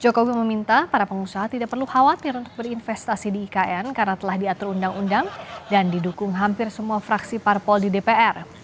jokowi meminta para pengusaha tidak perlu khawatir untuk berinvestasi di ikn karena telah diatur undang undang dan didukung hampir semua fraksi parpol di dpr